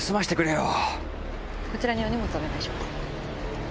こちらにお荷物お願いします。